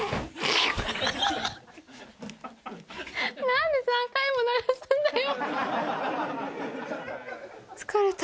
なんで３回も流すんだよ。